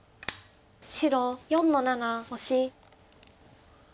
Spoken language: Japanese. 白４の七オシ。